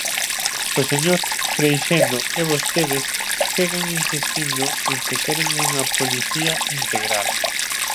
O señor Freixendo e vostedes seguen insistindo en que queren unha policía integral.